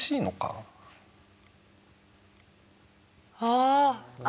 ああ。